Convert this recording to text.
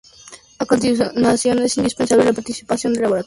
A continuación es indispensable la participación del laboratorio.